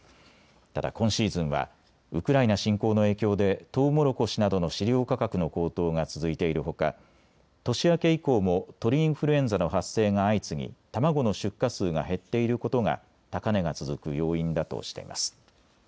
ただ今シーズンはウクライナ侵攻の影響でとうもろこしなどの飼料価格の高騰が続いているほか年明け以降も鳥インフルエンザの発生が相次ぎ卵の出荷数が減っていることが高値が続く要因だとしています。